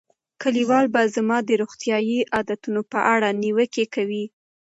کلیوال به زما د روغتیايي عادتونو په اړه نیوکې کوي.